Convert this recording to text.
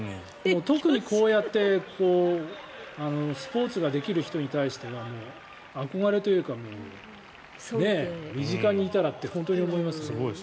特にこうやってスポーツができる人に対しては憧れというか、身近にいたらって本当に思いますね。